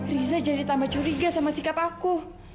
riza jadi tambah curiga sama sikap aku